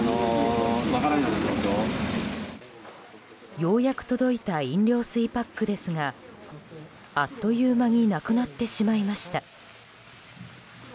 ようやく届いた飲料水パックですがあっという間になくなってしまいました。